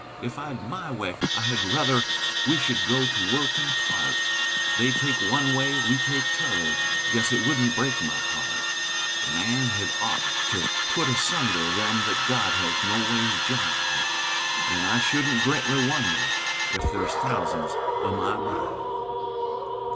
Ef I'd my way I hed ruther We should go to work an' part, They take one way, we take t'other, Guess it wouldn't break my heart; Man hed ough' to put asunder Them thet God has noways jined; An' I shouldn't gretly wonder Ef there's thousands o' my mind.